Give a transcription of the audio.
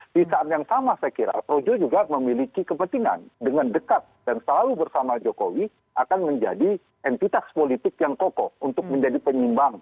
di saat yang sama saya kira projo juga memiliki kepentingan dengan dekat dan selalu bersama jokowi akan menjadi entitas politik yang kokoh untuk menjadi penyimbang